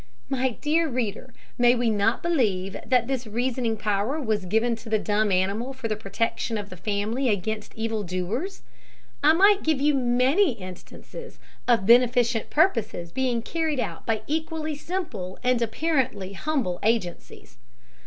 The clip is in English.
My dear reader, may we not believe that this reasoning power was given to the dumb animal for the protection of the family against evil doers? I might give you many instances of beneficent purposes being carried out by equally simple and apparently humble agencies.